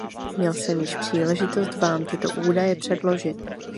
Měl jsem již příležitost vám tyto údaje předložit.